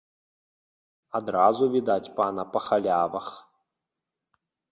Адразу відаць пана па халявах.